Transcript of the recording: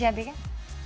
jadi siapa ya